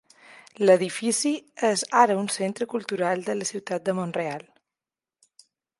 L'edifici és ara un centre cultural de la ciutat de Mont-real.